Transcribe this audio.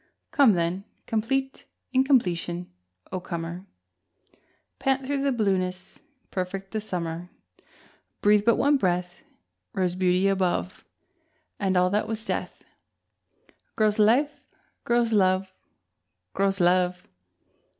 Come then, complete incompletion, O comer, Pant through the blueness, perfect the summer! Breathe but one breath Rose beauty above, And all that was death Grows life, grows love, Grows love!